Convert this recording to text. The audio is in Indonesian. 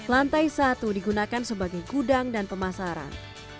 lantai satu digunakan sebagai gudang dan pemasaran